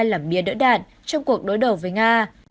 làm bia đỡ đạn trong cuộc đối đầu với nga